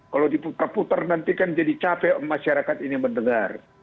kalau diputar putar nanti kan jadi capek masyarakat ini mendengar